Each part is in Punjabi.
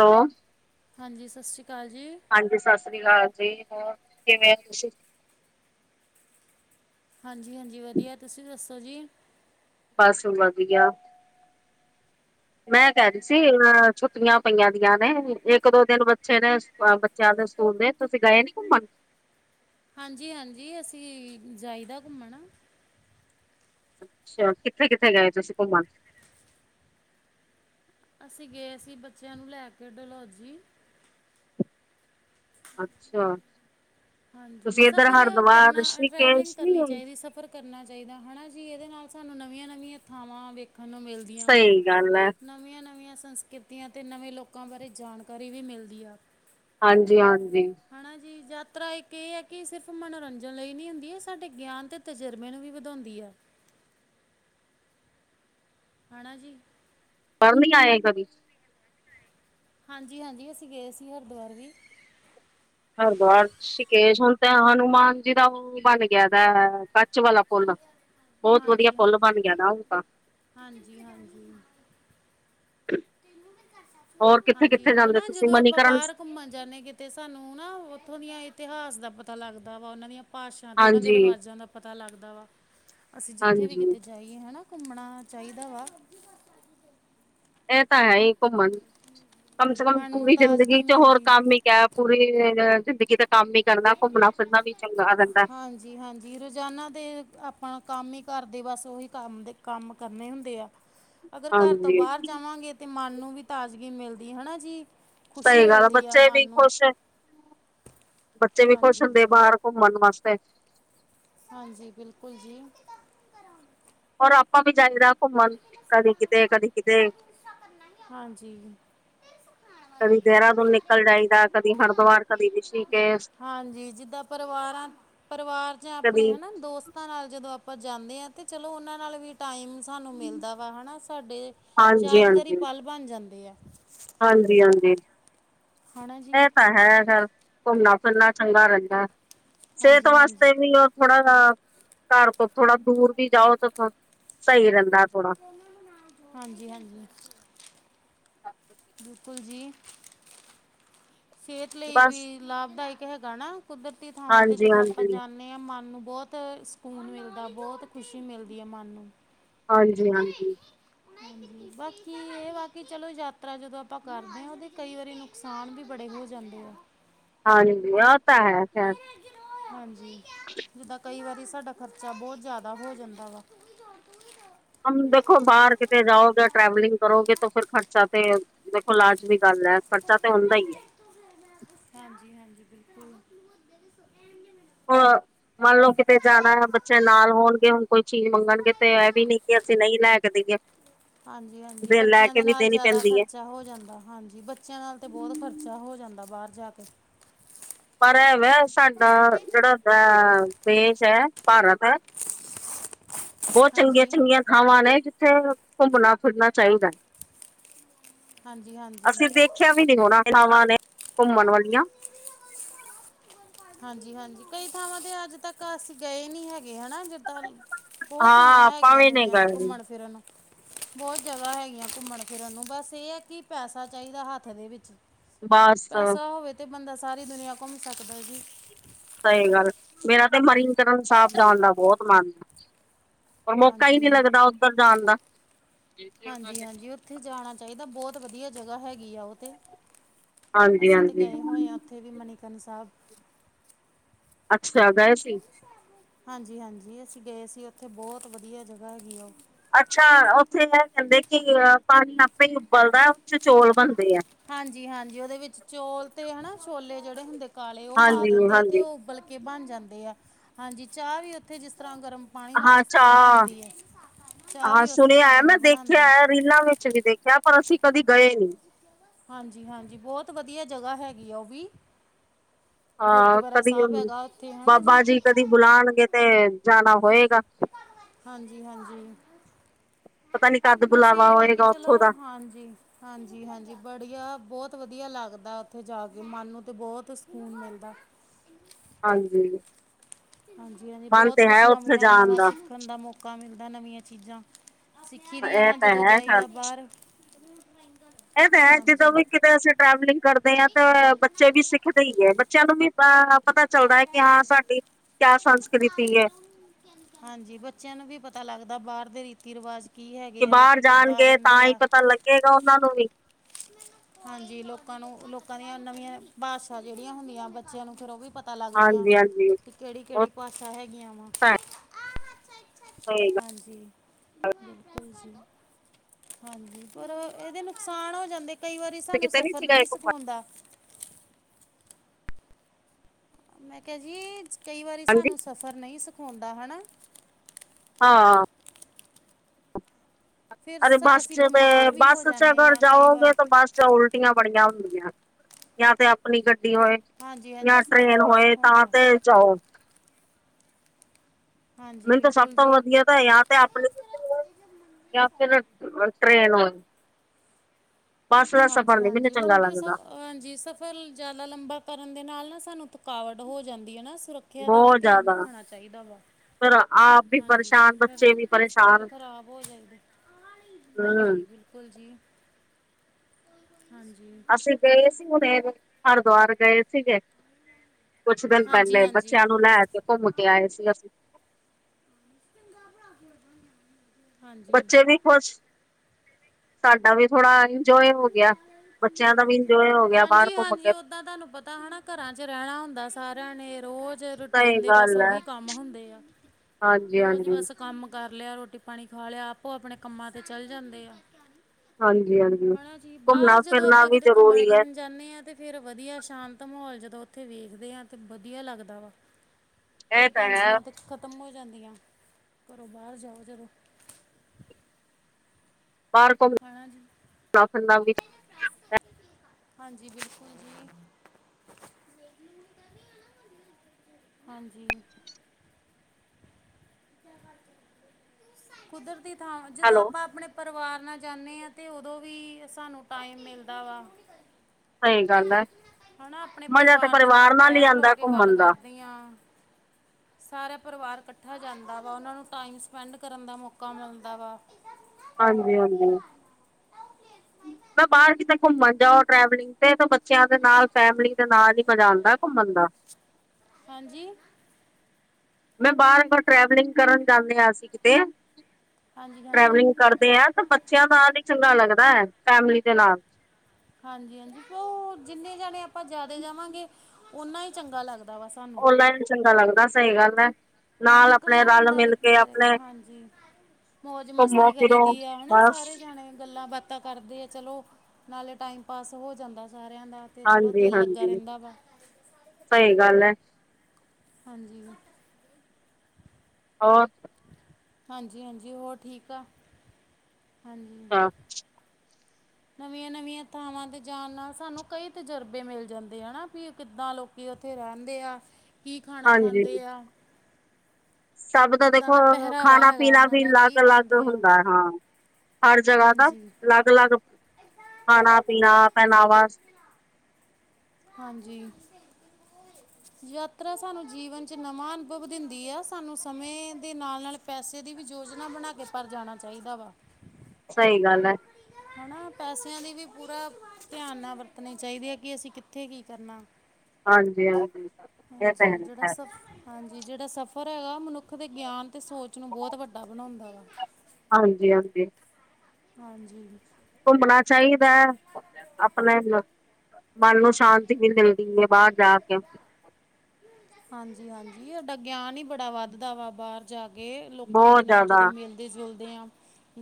ਹੈਲੋ ਹਾਂਜੀ, ਸਤਿ ਸ਼੍ਰੀ ਅਕਾਲ ਜੀ ਹਾਂਜੀ ਸਤਿ ਸ੍ਰੀ ਅਕਾਲ ਜੀ ਹੋ ਕਿਵੇਂ ਤੁਸੀਂ ਹਾਂਜੀ ਹਾਂਜੀ ਵਧੀਆ ਤੁਸੀਂ ਦੱਸੋ ਜੀ ਬਸ ਵਧੀਆ ਮੈਂ ਕਹਿ ਰਹੀ ਸੀ ਛੁੱਟੀਆਂ ਪਈਆਂ ਦੀਆਂ ਨੇ ਇੱਕ ਦੋ ਦਿਨ ਬੱਚੇ ਨੇ ਬੱਚਿਆਂ ਦੇ ਸੋਦੇ ਤੁਸੀਂ ਗਏ ਨੀ ਘੁੰਮਣ ਹਾਂਜੀ- ਹਾਂਜੀ ਅਸੀਂ ਜਾਈਦਾ ਘੁੰਮਣ ਅੱਛਾ, ਕਿੱਥੇ -ਕਿੱਥੇ ਗਏ ਤੁਸੀਂ ਘੁੰਮਣ ਅਸੀਂ ਗਏ ਸੀ ਬੱਚਿਆਂ ਨੂੰ ਲੈ ਕੇ ਡਲੋਜੀ ਅੱਛਾ ਹਾਂਜੀ ਤੁਸੀਂ ਇੱਧਰ ਸਫ਼ਰ ਹਰਿਦੁਆਰ ਕਰਨਾ, ਟਰੈਵਲਿੰਗ ਰਿਸ਼ੀਕੇਸ਼ ਨੀ ਕਰਨੀ ਗਏ ਚਾਹੀਦੀ ਸਫ਼ਰ। ਕਰਨਾ ਚਾਹੀਦਾ ਹਨਾ ਜੀ ਇਹਦੇ ਨਾਲ ਸਾਨੂੰ ਨਵੀਆਂ -ਨਵੀਆਂ ਥਾਵਾਂ ਵੇਖਣ ਨੂੰ ਮਿਲਦੀ ਵਾ ਸਹੀ ਗੱਲ ਹੈ ਨਵੀਆਂ- ਨਵੀਆਂ ਸੰਸਕ੍ਰਿਤੀਆਂ ਕੀਤੀਆਂ ਅਤੇ ਨਵੇਂ ਲੋਕਾਂ ਬਾਰੇ ਜਾਣਕਾਰੀ ਵੀ ਮਿਲਦੀ ਆ। ਹਾਂਜੀ-ਹਾਂਜੀ। ਹਨਾ ਜੀ। ਯਾਤਰਾ ਇੱਕ ਇਹ ਹੈ ਕਿ, ਸਿਰਫ ਮਨੋਰੰਜਨ ਲਈ ਨਹੀਂ ਹੁੰਦੀ ਹੈ ਸਾਡੇ ਗਿਆਨ ਤੇ। ਤਰਜਬੇ ਨੂੰ ਵੀ ਵਧਾਉਂਦੀ ਆ। ਹੈਨਾ ਜੀ ਪੜ੍ਹ ਨ ਆਏ ਕਦੇ ਹਾਂਜੀ-ਹਾਂਜੀ ਅਸੀਂ ਗਏ ਸੀ ਹਰਿਦੁਵਰ ਵੀ ਹਰਿਦੁਵਰ, ਰਿਸ਼ੀਕੇਸ਼ ਹੁਣ ਤਾਂ ਹਨੂੰਮਾਨ ਜੀ ਦਾ। ਉਹ ਬਣ ਗਿਆ ਦਾ ਕੱਚ ਵਾਲਾ ਫੁੱਲ ਬਹੁਤ ਵਧੀਆ ਪੁੱਲ ਬਣ ਗਿਆ ਨਾ ਉਹ ਤਾਂ। ਹਾਂਜੀ-ਹਾਂਜੀ। ਹੋਰ ਕਿੱਥੇ ਹਾਂਜੀ। ਕਿੱਥੇ ਜਾਂਦੇ ਨਾ ਤੁਸੀਂ ਜਦੋਂ ਆਪਾਂ ਮਨੀਕਰਨ ਬਾਹਰ ਘੁੰਮਣ ਜਾਂਦੇ ਕਿਤੇ ਤੇ ਸਾਨੂੰ ਨਾ ਉੱਥੋਂ ਦੀਆਂ ਇਤਿਹਾਸ ਦਾ ਪਤਾ ਲੱਗਦਾ ਵਾ ਉਹਨਾਂ ਦੀਆਂ ਭਾਸ਼ਾ ਤੇ ਉਹਨਾਂ ਦੇ ਹਾਂਜੀ ਰਿਵਾਜਾਂ ਦਾ ਪਤਾ ਲੱਗਦਾ ਵਾ ਅਸੀਂ ਜਿੱਥੇ ਵੀ ਹਾਂਜੀ ਕਿਤੇ ਜਾਈ ਹਨਾ ਘੁੰਮਣਾ ਚਾਹੀਦਾ ਵਾ ਇਹ ਤਾਂ ਹੈ ਹੀ ਘੁੰਮਣ ਕਮ ਸੇ ਕਮ ਮਨ ਨੂੰ ਪੂਰੀ ਜ਼ਿੰਦਗੀ ਤਾਜ਼ਗੀ ਚ ਹੋਰ ਮਿਲਦੀ ਕੰਮ ਹੀ ਕਿਆ ਪੂਰੀ ਜਿੰਦਗੀ ਦਾ ਕੰਮ ਨਹੀਂ ਕਰਨਾ ਘੁੰਮਣਾ ਫਿਰਨਾ ਵੀ ਚੰਗਾ ਆ ਰਹਿੰਦਾ। ਹਾਂਜੀ-ਹਾਂਜੀ। ਵੀ ਰੋਜ਼ਾਨਾ ਦੇ ਆਪਣਾ ਕੰਮ ਹੀ ਕਰਦੇ ਬਸ ਉਹੀ ਕੰਮ ਦੇ ਕੰਮ ਕਰਨੇ ਹੁੰਦੇ ਆ। ਅਗਰ ਘਰ ਤੋਂ ਹਾਂਜੀ ਬਾਹਰ ਜਾਵਾਂਗੇ ਤੇ ਮਨ ਨੂੰ ਵੀ ਤਾਜਗੀ ਮਿਲਦੀ ਹਨਾ ਜੀ। ਖੁਸ਼ੀ ਸਹੀ ਗੱਲ ਮਿਲਦੀ ਆ ਬੱਚੇ ਮਨ ਵੀ ਨੂੰ। ਖੁਸ਼ ਬੱਚੇ ਵੀ ਖੁਸ਼ ਹਾਂਜੀ ਹੁੰਦੇ ਬਾਹਰ ਘੁੰਮਣ ਵਾਸਤੇ। ਹਾਂਜੀ। ਬਿਲਕੁਲ ਜੀ ਔਰ ਆਪਾਂ ਵੀ ਜਾਈਦਾ ਘੁੰਮਣ ਕਦੀ ਕਿਤੇ ਕਦੀ ਕਿਤੇ ਹਾਂਜੀ। ਕਦੀ ਦਹਿਰਾਦੂਨ ਨਿਕਲ ਜਾਈਦਾ, ਕਦੀ ਹਰਿਦੁਆਰ ਕਦੀ ਰਿਸ਼ੀਕੇਸ਼ ਹਾਂਜੀ। ਜਿੱਦਾਂ ਪਰਿਵਾਰਾਂ, ਪਰਿਵਾਰ ਚ ਆਪਣੇ ਕਦੀ ਹਨਾ ਦੋਸਤ। ਦੋਸਤਾਂ ਨਾਲ ਜਦੋਂ ਆਪਾਂ ਜਾਂਦੇ ਆ ਤੇ ਚਲੋ। ਉਹਨਾਂ ਨਾਲ ਵੀ ਟਾਈਮ ਸਾਨੂੰ ਮਿਲਦਾ ਵ ਹਨਾ ਸਾਡੇ। ਹਾਂਜੀ ਚਾਦਗਰੀ ਪਲ ਬਣ ਜਾਂਦੇ ਹੈ। ਹਾਂਜੀ-ਹਾਂਜੀ ਹਨਾ ਜੀ ਇਹ ਤਾਂ ਹੈ। ਇਹ ਗੱਲ ਘੁੰਮਨਾ- ਫਿਰਨਾ ਚੰਗਾ ਰਹਿੰਦਾ। ਸਿਹਤ ਹਾਂਜੀ ਹਾਂਜੀ ਵਾਸਤੇ ਵੀ - ਥੋੜਾ ਘਰ ਕੋ ਥੋੜਾ ਦੂਰ ਵੀ ਜਾਓ। ਤਾਂ ਸਹੀ ਰਹਿੰਦਾ ਥੋੜਾ ਹਾਂਜੀ- ਹਾਂਜੀ। [unintelligible] ਬਿਲਕੁਲ ਜੀ, ਸਿਹਤ ਲਈ ਬਸ ਵੀ ਲਾਭਦਾਇਕ ਹੈਗਾ ਨਾ। ਕੁਦਰਤੀ ਥਾਵਾਂ ਤੇ ਹਾਂਜੀ ਜਦੋਂ ਆਪਾਂ ਹਾਂਜੀ ਜਾਂਦੇ ਮਨ ਨੂੰ ਬਹੁਤ ਸਕੂਨ ਮਿਲਦਾ। ਬਹੁਤ ਖ਼ੁਸ਼ੀ ਮਿਲਦੀ ਹੈ। ਮਨ ਨੂੰ ਹਾਂਜੀ -। ਹਾਂਜੀ ਬਾਕੀ ਇਹ ਬਾਕੀ ਚਲੋ ਯਾਤਰਾ ਜਦੋਂ ਆਪਾਂ ਕਰਦੇ ਹਾਂ। ਉਹਦੀ ਕਈ ਵਾਰੀ ਨ ਨੁਕਸਾਨ ਵੀ ਬੜੇ ਹੋ ਜਾਂਦੇ ਆ। ਹਾਂਜੀ। ਆ ਤਾਂ ਹੈ। ਖੈਰ ਹਾਂਜੀ। ਜਿੱਦਾਂ ਕਈ ਵਾਰੀ ਸਾਡਾ ਖਰਚਾ ਬਹੁਤ ਜ਼ਿਆਦਾ ਹੋ ਜਾਂਦਾ ਵਾ। [unintelligible] ਹ ਦੇਖੋ ਬਾਹਰ ਕਿਤੇ ਜਾਓਗੇ। ਟਰੈਵਲਿੰਗ ਕਰੋਗੇ। ਤਾਂ ਫਿਰ ਖਰਚਾ ਤੇ ਦੇਖੋ, ਇਲਾਜ ਵੀ ਗੱਲ ਹੈ। ਖਰਚਾ ਤਾਂ ਹੁੰਦਾ ਹੀ ਹੈ। ਹਾਂਜੀ- ਹਾਂਜੀ ਬਿਲਕੁਲ, ਹਾਂ। ਮੰਨ ਲਓ। ਕਿਤੇ ਜਾਣਾ ਬੱਚੇ ਨਾਲ ਹੋਣਗੇ ਹੁਣ ਕੋਈ ਚੀਜ਼ ਮੰਗਣਗੇ ਤੇ ਇਹ ਵੀ ਨਹੀਂ ਕਿ ਅਸੀਂ ਨਹੀਂ ਲੈ ਕੇ ਦੇਈਏ। [inaudible] ਹਾਂਜੀ- ਹਾਂਜੀ ਲੈ ਬੱਚਿਆਂ ਕੇ ਦੇ ਵੀ ਨਾਲ ਦੇਣੀ ਜ਼ਿਆਦਾ ਪੈਂਦੀ ਹੈ ਖ਼ਰਚਾ ਹੋ ਜਾਂਦਾ, ਹਾਂਜੀ, ਬੱ ਬੱਚਿਆਂ ਨਾਲ ਤੇ ਬਹੁਤ ਖ਼ਰਚਾ ਹੋ ਜਾਂਦਾ, ਬਾਹਰ ਜਾਕੇ। ਪਰ ਇਹਵੈ ਸਾਡਾ ਜਿਹੜਾ ਦਾ, ਦੇਸ਼ ਐ, ਭਾਰਤ ਬਹੁਤ ਹਾਂਜੀ ਚੰਗੀਆਂ-ਚੰਗੀਆਂ ਥਾਵਾਂ ਨੇ, ਜਿੱਥੇ ਘੁੰਮਣਾ-ਫਿਰਨਾ ਚਾਹੀਦੈ। ਹਾਂਜੀ ਹਾਂਜੀ ਅਸੀਂ ਦੇਖਿਆ ਵੀ ਨੀ ਹੋਣਾ ਥਾਵਾਂ ਨੇ, ਘੁੰਮਣ ਵਾਲੀਆਂ। ਹਾਂਜੀ-ਹਾਂਜੀ, ਕਈ ਥਾਵਾਂ ਤੇ ਅੱਜ-ਤੱਕ ਅਸੀਂ ਗਏ ਨਈਂ ਹੈਗੇ, ਹਨਾ ਜ ਤਾਂ, ਬਹੁਤ ਹਾਂ ਥਾਵਾਂ ਆਪਾਂ ਹੈਗੀਆਂ ਵੀ ਨੀ ਦੁਨੀਆਂ ਤੇ, ਗਏ ਘੁੰਮਣ-ਫਿਰਨ ਨੂੰ। ਬਹੁਤ ਜਗ੍ਹਾ ਹੈਗੀਆਂ ਘੁੰਮਣ-ਫ਼ਿਰਨ ਨੂੰ। ਬਸ ਪੈਸਾ ਹੋਵੇ ਤੇ, ਬੰਦਾ ਸਾਰੀ ਦੁਨੀਆ ਘੁੰਮ ਸਕਦਾ ਜੀ। ਸਹੀ ਗੱਲ, ਮੇਰਾ ਤੇ ਮਣੀਂਕਰਨ ਸਾਹਬ ਜਾਣ ਦਾ ਬਹੁਤ ਮਨ ਪਰ, ਮੌਕਾ ਹੀ ਨਹੀਂ ਹਾਂਜੀ। ਲੱਗਦਾ ਓਧਰ ਜਾਣ ਦਾ। ਹਾਂਜੀ ਹਾਂਜੀ ਉੱਥੇ ਜਾਣਾ ਚਾਹੀਦਾ ਬਹੁਤ ਵਧੀਆ ਜਗ੍ਹਾ ਹੈਗੀ ਆ, ਉਹ ਤੇ। ਅਸੀਂ ਤੇ ਹਾਂਜੀ-ਹਾਂਜੀ ਗਏ ਹੋਏ ਹਾਂ। ਉੱਥੇ ਵੀ ਮਨੀਕਰਨ ਸਾਬ ਅੱਛਾ। ਗਏ ਸੀ? ਹਾਂਜੀ- ਹਾਂਜੀ ਅਸੀਂ ਗਏ ਸੀ। ਉੱਥੇ ਬਹੁਤ ਵਧੀਆ ਜਗ੍ਹਾ ਹੈਗੀ ਆ, ਉਹ। ਅੱਛਾ! ਉੱਥੇ ਇਹ ਕਹਿੰਦੇ ਕਿ, ਅ ਪਾਣੀ ਆਪੇ ਹੀ ਉਬਲਦਾ ਹੈ, ਉਹ 'ਚ ਚੋਲ ਬਣਦੇ ਆ। ਹਾਂਜੀ-ਹਾਂਜੀ, ਉਹਦੇ ਵਿੱਚ ਚੋਲ ਤੇ ਹਨਾ, ਛੋਲੇ ਜਿਹੜੇ ਹੁੰਦੇ ਕਾਲੇ ਉਹ ਪਾ ਦਿੰਦੇ ਆ, ਤੇ ਹਾਂਜੀ-ਹਾਂਜੀ ਉਹ ਉਬਲ ਕੇ ਕੇ ਬਣ ਜਾਂਦੇ ਆ, ਹਾਂਜੀ, ਚਾਹ ਵੀ ਉੱਥੇ ਜਿਸ ਤਰ੍ਹਾਂ ਗਰਮ ਪਾਣੀ ਨਾਲ ਹਾਂ ਚਾਹ ਬਣਦੀ ਐ। ਚਾਹ ਹਾਂ ਵੀ, ਓਸੇ ਸੁਣਿਆ ਹੈ ਪਾਣੀ ਨਾਲ ਮੈਂ ਦੇਖਿਆ ਬਣਾਂਦੇ। ਹੈ ਰੀਲਾਂ ਵਿੱਚ ਵੀ ਦੇਖਿਆ ਪਰ, ਅਸੀਂ ਕਦੇ ਗਏ ਨਈਂ। ਹਾਂਜੀ-ਹਾਂਜੀ, ਬਹੁਤ ਵਧੀਆ ਜਗ੍ਹਾ ਹੈਗੀ ਆ, ਉਹ ਵੀ। ਹਾਂ, ਗੁਰਦੁਆਰਾ ਕਦੀ ਅ ਸਾਹਿਬ ਹੈਗਾ ਉੱਥੇ ਹਨਾ ਬਾਬਾ ਜੀ, ਕਦੀ ਬੁਲਾਣਗੇ ਤੇ ਜਾਣਾ ਹੋਏਗਾ। ਹਾਂਜੀ-ਹਾਂਜੀ। ਪਤਾ ਨੀ ਕਦ ਬਸ ਬੁਲਾਵਾ ਇਹ ਵਾ ਕੀ, ਹੋਏਗਾ ਚਲੋ, ਉੱਥੋਂ ਦਾ ਹਾਂਜੀ। ਹਾਂਜੀ-ਹਾਂਜੀ, ਬੜੀਆ, ਬਹੁਤ ਵਧੀਆ ਲੱਗਦਾ ਉੱਥੇ ਜਾਕੇ, ਮਨ ਨੂੰ ਤੇ, ਬਹੁਤ ਸਕੂਨ ਮਿਲਦਾ। ਹਾਂਜੀ। ਹਾਂਜੀ-ਹਾਂਜੀ, ਮਨ ਬਹੁਤ ਤੇ ਕੁਛ ਹੈ ਉੱਥੇ ਨਵੀਆਂ, ਜਾਣ ਨਵਾਂ ਸਿੱਖਣ ਦਾ ਮੌਕਾ ਮਿਲਦਾ, ਨਵੀਆਂ ਚੀਜ਼ਾਂ। ਸਿੱਖੀ ਦੀਆਂ ਇਹ ਵਾ, ਤਾਂ ਜਦੋਂ ਹੈ ਗੱਲ ਜਾਈਦਾ ਬਾਹਰ। ਇਹ ਤਾਂ ਹੈ, ਜਦੋਂ ਹਾਂਜੀ ਵੀ ਕਿਤੇ ਅਸੀਂ ਟਰੈਵਲਿੰਗ ਕਰਦੇ ਆ, ਤਾਂ, ਬੱਚੇ ਵੀ ਸਿੱਖਦੇ ਈ, ਐ। ਚਿਆ ਨੁੰ ਵੀ, ਅ ਪਤਾ ਚੱਲਦਾ ਐ, ਕਿ ਹਾਂ ਸਾਡੀ ਕਿਆ ਸੰਸਕ੍ਰਿਤੀ ਏ। ਹਾਂਜੀ, ਬੱਚਿਆਂ ਨੂੰ ਵੀ ਪਤਾ ਲੱਗਦਾ ਬਾਹਰ ਦੇ ਰੀਤੀ-ਰਿਵਾਜ਼। ਕਿ ਬਾਹਰ ਜਾਣਗੇ ਤਾਂ, ਈ ਪਤਾ ਲੱਗੇਗਾ ਉਹਨਾਂ ਨੂੰ ਵੀ। ਹਾਂਜੀ, ਲੋਕਾਂ ਨੂੰ ਲੋਕਾਂ ਦੀਆਂ ਨਵੀਆਂ ਭਾਸਾ ਜਿਹੜੀਆਂ ਹੁੰਦੀਆਂ, ਬੱਚਿਆਂ ਨੂੰ ਫੇਰ ਉਹ ਵੀ ਪਤਾ ਪਤਾ ਲੱਗਦੀਆਂ ਹਾਂਜੀ ਹਾਂਜੀ ਕਿ, ਉਹ ਕਿਹੜੀ-ਕਿਹੜੀ ਭਾਸ਼ਾ ਹੈਗੀਆਂ ਵਾ। ਹੋਏਗਾ। ਹਾਂਜੀ, ਬਿਲਕੁਲ ਜੀ। ਹਾਂਜੀ ਪਰ ਅ ਇਹਦੇ ਨੁਕਸਾਨ ਹੋ ਜਾਂਦੇ, ਕਈ ਵਾਰੀ ਸਾਨੂੰ ਕਿਤੇ ਨੀ ਸਫ਼ਰ ਸੀਗਾ ਨਹੀਂ ਘੁੰਮਣ ਸਖਾਉਂਦਾ। ਮੈਂ ਕਿਆ ਜੀ। ਕਈ ਵਾਰੀ ਹਾਂਜੀ ਸਾਨੂੰ ਸਫ਼ਰ ਨਹੀਂ ਸਿਖਾਉਂਦਾ ਹਨਾ। ਹਾਂ। ਫਿਰ ਅਰੇ ਸ- ਅਸੀਂ ਬੱਸ'ਚ ਤੇ, ਬਿਮਾਰ ਵੀ ਹੋ ਬੱਸ'ਚ ਜਾਂਦੇ ਆ ਅਗਰ ਕਈ ਵਾਰ ਜਾਓਗੇ ਤੋ, ਬੱਸ 'ਚ ਉਲ ਉਲਟੀਆਂ ਬੜੀਆਂ ਹੁੰਦੀਆਂ ਯਾ ਤੇ, ਆਪਣੀ ਗੱਡੀ ਹੋਵੇ ਹਾਂਜੀ ਹਾਂਜੀ ਯਾਂ ਸਫ਼ਰ ਟ੍ਰੇਨ ਨਹੀਂ ਹੋਏ ਤਾਂ, ਸਿਖਾਉਂਦਾ ਤੇ ਜਾਓ। ਹਾਂਜੀ ਮੈਨ ਤਾਂ ਸਭ ਬਿਲਕੁਲ ਤੋਂ ਜੀ ਵਧੀਆ ਯਾ ਤੇ ਆਪਣੀ ਗੱਡੀ ਹੋਏ ਯਾ, ਫਿਰ ਨਾ ਟ੍ਰੇਨ ਹੋਏ। [unintelligible] ਬੱਸ ਦਾ ਸਫ਼ਰ ਹਾਂਜੀ ਨੀ, ਮੈਨੂੰ ਹਾਂਜੀ ਚੰਗਾ ਲੰਬੇ ਸ ਲੱਗਦਾ। ਹਾਂਜੀ, ਸਫ਼ਰ ਜ਼ਿਆਦਾ ਲੰਬਾ ਕਰਨ ਦੇ ਨਾਲ ਨਾ, ਸਾਨੂੰ ਥਕਾਵਟ ਹੋ ਜਾਂਦੀ ਐ ਨਾ ਸੁਰੱਖ ਖਿਆ ਦਾ ਵੀ ਬਹੁਤ ਧਿਆਨ ਜ਼ਿਆਦਾ ਰੱਖਣਾ ਚਾਹੀਦਾ ਵਾ। ਫਿਰ ਆਪ ਵੀ ਹਾਂਜੀ, ਪਰੇਸ਼ਾਨ ਫਿਰ ਬੱਚੇ ਵੀ ਸਰੀਰ ਪਰੇਸ਼ਾਨ ਖ਼ਰਾਬ ਹੋ ਜਾਂਦੇ। ਹਾਂਜੀ, ਹੂੰ ਬਿਲਕੁਲ ਜੀ। ਹਾਂਜੀ‌। ਫਿਰ ਗਏ ਸੀ, ਹੁਣੇ ਹਰਿਦੁਆਰ ਗਏ ਸੀਗੇ। ਕੁਛ ਦਿਨ ਹਾਂਜੀ ਪਹਿਲੇ ਹਾਂਜੀ ਬੱਚਿਆਂ ਨੂੰ ਲੈ ਕੇ, ਘੁੰਮ ਕੇ ਆਏ ਸੀ ਅਸੀਂ। ਚੰਗਾ-ਭਲਾ ਕੇ [unintelligible] ਬੱਚੇ ਵੀ ਖ਼ੁਸ਼। ਸਾਡਾ ਵੀ ਥੋੜਾ ਇੰਜੋਏ ਹੋ ਗਿਆ, ਬੱਚਿਆਂ ਦਾ ਵੀ ਇੰਜੋਏ ਹੋ ਗਿਆ, ਬਾਹਰ ਘੁੰਮ ਕੇ। ਤਾਂ ਤੁਹਾਨੂੰ ਪਤਾ ਹੈ ਨਾ, ਘਰਾਂ ਚ ਰਹਿਣਾ ਹੁੰਦਾ ਸਾਰਿਆਂ ਨੇ ਰੋਜ਼। ਸਹੀ ਰੂਟੀਨ ਦੇ ਬਸ, ਗੱਲ ਹੈ ਉਹੀ ਕੰਮ ਹੁੰਦੇ ਆ ਹਾਂਜੀ ਰੋਜ਼ ਹਾਂਜੀ ਬਸ। ਕੰਮ ਕਰ ਲਿਆ, ਰੋਟੀ ਪਾਣੀ ਖਾ ਲਿਆ, ਆਪੋ ਆਪਣੇ ਕੰਮਾਂ ਤੇ ਚੱਲ ਜਾਂਦੇ ਆ। ਹਾਂਜੀ -ਹਾਂਜੀ। ਹਨਾ ਜੀ, ਘੁੰਮਣਾ ਬਾਹਰ ਜਦੋਂ ਫਿਰਨਾ ਆਪਾਂ ਵੀ ਕਿਤੇ ਘੁੰਮਣ ਜ਼ਰੂਰੀ ਹੈ ਫਿਰਨ ਜਾਂਦੇ ਹਾਂ, ਤੇ। ਫੇਰ ਵਧੀਆ ਸ਼ਾਂਤ ਮਾਹੌਲ ਜਦੋਂ ਉੱਥੇ ਵੇਖਦੇ ਆ, ਤੇ ਵਧੀਆ ਲੱਗਦਾ ਵਾ। ਇਹ ਕਈ ਤਾਂ ਹੈ ਟੈਨਸ਼ਨਾਂ ਤੇ ਖਤਮ ਹੋ ਜਾਂਦੀਆਂ, ਘਰੋਂ ਬਾਹਰ ਜਾਓ ਜਦੋਂ। ਬਾਹਰ ਘੁੰਮਣਾ ਹਨਾ ਜੀ‌। ਫਿਰਨਾ ਵੀ ਹਾਂਜੀ, ਬਿਲਕੁਲ ਜੀ। ਹਾਂਜੀ। ਕੁਦਰਤੀ ਥਾਂ, ਜਦੋਂ ਹੈਲੋ ਆਪਾਂ-ਆਪਣੇ ਪਰਿਵਾਰ ਨਾਲ ਜਾਂਦੇ ਹਾਂ, ਤੇ ਉਦੋਂ ਵੀ ਸਾਨੂੰ ਟਾਈਮ ਮਿਲਦਾ ਵਾ। ਸਹੀ ਗੱਲ ਹੈ ਹਨਾ, ਆਪਣੇ ਮਜ਼ਾ ਤੇ ਪਰਿਵਾਰ ਦੇ ਨਾਲ ਹੀ ਬਹਿ ਖਲੋ ਆਉਂਦਾ ਕੇ ਗੱਲ ਘੁੰਮਣ ਦਾ ਕਰਦੇ ਹਾਂ। ਸਾਰਾ ਪਰਿਵਾਰ ਇਕੱਠਾ ਹੋ ਜਾਂਦਾ ਵਾ, ਉਹਨਾਂ ਨੂੰ ਟਾਈਮ ਸਪੈਂਡ ਕਰਨ ਦਾ ਮੌਕਾ ਮਿਲਦਾ ਵਾ। ਹਾਂਜੀ- ਹਾਂਜੀ, ਬਾਹਰ ਕਿਤੇ ਘੁੰਮਣ ਜਾਓ ਟਰੈਵਲਿੰਗ ਤੇ ਬੱਚਿਆਂ ਦੇ ਨਾਲ, ਫੈਮਿਲੀ ਦੇ ਨਾਲ ਹੀ ਮਜ਼ਾ ਆਉਂਦਾ ਘੁੰਮਣ ਦਾ। ਹਾਂਜੀ? ਮੈਂ ਬਾਹਰ ਟਰੈਵਲਿੰਗ ਕਰਨ ਜਾਂਦੇ ਆ, ਅਸੀ ਕਿਤੇ ਹਾਂਜੀ ਹਾਂਜੀ ਟਰੈਵਲਿੰਗ ਕਰ ਆ ਤਾਂ ਬੱਚਿਆਂ ਨਾਲ ਹੀ ਚੰਗਾ ਲੱਗਦਾ ਹੈ, ਫੈਮਲੀ ਦੇ ਨਾਲ। ਹਾਂਜੀ -ਹਾਂਜੀ, ਜਿੰਨੇ ਜਾਣੇ ਆਪਾਂ ਜ਼ਿਆਦੇ ਜਾਵਾਂਗੇ ਓਨਾਂ ਹੀ ਚੰਗਾ ਲੱਗਦਾ ਬਸ। ਉਹਨਾਂ ਹੀ ਚੰਗਾ ਲੱਗਦਾ, ਸਹੀ ਗੱਲ ਹੈ। ਨਾਲ ਹਾਂਜੀ, ਆਪਣੇ ਕੱਲਾ ਰਲ ਬੰਦਾ ਵੀ ਮਿਲ ਕੀ ਕੇ ਆਪਣੇ ਕਰੇਗਾ, ਹਾਂਜੀ। ਮੌਜ- ਘੁੰਮੋ ਮਸਤੀ ਕਰੀ ਫਿਰੋ ਦੀ ਆ, ਹਨਾ ਬਸ ਸਾਰੇ ਜਾਣੇ ਗੱਲਾਂ -ਬਾਤਾਂ। ਤਾਂ ਕਰਦੇ ਆ, ਚਲੋ ਨਾਲੇ ਟਾਈਮ ਪਾਸ ਹੋ ਜਾਂਦਾ, ਸਾਰਿਆਂ ਦਾ। ਤੇ ਚਲੋ, ਹਾਂਜੀ ਦਿਲ ਲੱਗਾ ਹਾਂਜੀ ਰਹਿੰਦਾ ਵਾ। ਸਹੀ ਗੱਲ ਹੈ। ਹਾਂਜੀ। ਹੋਰ ਹਾਂਜੀ- ਹਾਂਜੀ, ਹੋਰ ਠੀਕ ਆ? ਹਾਂਜੀ। ਨਵੀਆਂ -ਨਵੀਆਂ, ਥਾਵਾਂ ਤੇ ਜਾਣ ਨਾਲ ਸਾਨੂੰ ਕਈ ਤਜਰਬੇ ਮਿਲ ਜਾਂਦੇ ਹਨਾ, ਵੀ ਕਿੱਦਾਂ ਲੋਕ ਕੀ ਉੱਥੇ ਰਹਿੰਦੇ ਆ? ਕੀ ਖਾਣਾ ਹਾਂਜੀ ਖਾਂਦੇ ਆ? ਸਭ ਦਾ ਕਿੱਦਾਂ ਦੇਖੋ ਪਹਿਰਾਵਾ ਖਾਣਾ ਹੈਗਾ -ਪੀਣਾ, ਉਹਨਾਂ ਵੀ ਦਾ ਕੀ ਅਲੱਗ ਅਲੱਗ ਪਾਉਂਦੇ ਆ ਹੁੰਦਾ, ਹਾਂ। ਹਰ ਜਗ੍ਹਾ ਦਾ ਹਾਂਜੀ ਅਲੱਗ -ਅਲੱਗ ਖਾਣਾ, ਪੀਣਾ, ਪਹਿਨਾਵਾ। ਹਾਂਜੀ। [inaudible] ਯਾਤਰਾ ਸਾਨੂੰ ਜੀਵਨ ਚ ਨਵਾਂ ਅਨੁਭਵ ਦਿੰਦੀ ਆ ਸਾਨੂੰ ਸਮੇਂ ਦੇ ਨਾਲ-ਨਾਲ। ਪੈਸੇ ਦੀ ਵੀ ਯੋਜਨਾ ਬਣਾ ਕੇ ਪਰ ਜਾਣਾ ਚਾਹੀਦਾ ਵਾ। ਸਈ ਗੱਲ ਐ। ਹਨਾ ਪੈਸਿਆਂ ਦੀ ਵੀ ਪੂਰਾ ਧਿਆਨ ਨਾ ਵਰਤਣੀ ਚਾਹੀਦੀ ਐ ਕਿ ਅਸੀਂ ਕਿ। ਉੱਥੇ ਕੀ ਕਰਨਾ, ਹਾਂਜੀ ਹਾਂਜੀ ਇਹ ਤਾਂ ਹਾਂਜੀ ਜਿਹੜਾ ਹੈ ਸਭ। ਹਾਂਜੀ, ਜਿਹੜਾ ਸਫ਼ਰ ਹੈਗਾ, ਮਨੁੱਖ ਦੇ ਗਿਆਨ ਅਤੇ ਸੋਚ ਨੂੰ ਬਹੁਤ ਵੱਡਾ ਬਣਾਉਂਦਾ ਵਾ। ਹਾਂਜੀ -ਹਾਂਜੀ। ਹਾਂਜੀ। ਘੁੰਮਣਾ ਚਾਹੀਦਾ ਹੈ, ਆਪਣੇ ਮਨ ਨੂੰ ਸ਼ਾਂਤੀ ਵੀ ਮਿਲਦੀ। ਬਾਹਰ ਜਾ ਕੇ। ਹਾਂਜੀ, - ਹਾਂਜੀ, ਸਾਡਾ ਗਿਆਨ ਈ ਬੜਾ ਵੱਧਦਾ ਵਾ, ਬਾਹਰ। ਜਾ ਕੇ ਲੋਕਾਂ ਦੇ ਬਹੁਤ ਨਾਲ ਜਦੋਂ ਜ਼ਿਆਦਾ ਮਿਲਦੇ -ਜੁਲਦੇ ਹਾਂ,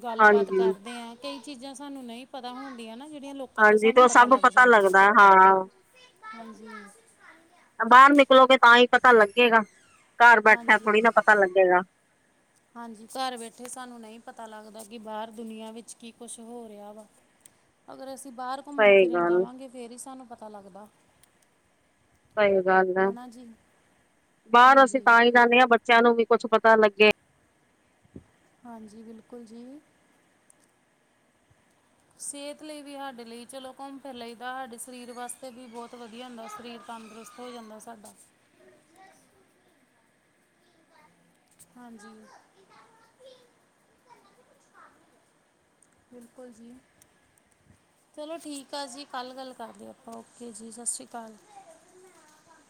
ਗੱਲਬਾਤ ਹਾਂਜੀ ਕਰਦੇ ਹਾਂ। ਕਈ ਚੀਜ਼ਾਂ, ਸਾਨੂੰ ਨਈ ਪਤਾ ਹੁੰਦੀਆਂ ਨਾ ਲੋਕਾਂ ਤੋਂ ਹਾਂਜੀ ਤੇ ਸਾਨੂੰ ਉਹ ਪਤਾ ਸਭ ਲੱਗ ਜਾਂਦੀਆਂ, ਲੱਗਦਾ ਹਾਂ ਹਾਂਜੀ ਬਾਹਰ ਨਿਕਲੋਗੇ ਤਾਂ ਹੀ ਪਤਾ ਲੱਗੇਗਾ, ਘਰ ਬੈਠਿਆਂ ਥੋੜ੍ਹੀ ਹਾਂਜੀ ਨਾ ਪਤਾ ਲੱਗੇਗਾ ਹਾਂਜੀ, ਘਰ ਬੈਠੇ ਸਾਨੂੰ ਨਈ ਪਤਾ ਲੱਗਦਾ ਕਿ ਬਾਹਰ ਦੁਨੀਆਂ ਵਿੱਚ ਕੀ ਕੁਛ ਹੋ ਰਿਆ ਵਾ ਅਗਰ ਅਸੀਂ ਬਾਹਰ ਘੁੰਮਣ ਸਹੀ ਫਿਰਨ ਗੱਲ ਜਾਵਾਂਗੇ ਫੇਰ ਈ ਸਾਨੂੰ ਪਤਾ ਲੱਗਦਾ ਸਹੀ ਗੱਲ ਏ, ਹੈ ਨਾ ਜੀ ਬਾਹਰ ਅਸੀਂ ਹਾਂਜੀ ਤਾਂ ਈ ਜਾਂਦੇ ਆ ਬੱਚਿਆਂ ਨੂੰ ਵੀ ਕੁੱਛ ਪਤਾ ਲੱਗੇ ਹਾਂਜੀ, ਬਿਲਕੁਲ ਜੀ ਸੇਹਤ ਲਈ ਵੀ ਸਾਡੇ ਲਈ ਚਲੋ ਘੁੰਮ ਫਿਰ ਲਈ ਦਾ ਸਾਡੇ ਸਰੀਰ ਵਾਸਤੇ ਵੀ ਬੋਤ ਵਧੀਆ ਹੁੰਦਾ ਸਰੀਰ ਤੰਦਰੁਸਤ ਹੋ ਜਾਂਦਾ ਸਾਡਾ ਹਾਂਜੀ ਬਿਲਕੁਲ ਜੀ ਚਲੋ ਠੀਕ ਆ ਜੀ, ਕੱਲ ਗੱਲ ਕਰਦੇ ਆ ਆਪਾਂ ਓਕੇ ਜੀ ਸਤਿ ਸ਼੍ਰੀ ਅਕਾਲ।